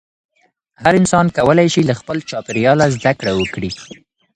هر انسان کولی شي له خپل چاپېریاله زده کړه وکړي.